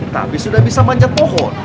tapi sudah bisa manjat pohon